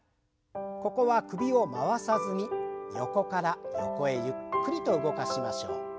ここは首を回さずに横から横へゆっくりと動かしましょう。